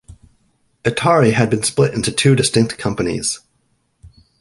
Atari had been split into two distinct companies.